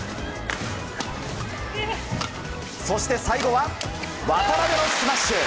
そして最後は渡辺のスマッシュ！